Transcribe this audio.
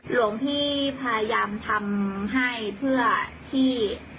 หลวงพี่พยายามทำให้เพื่อที่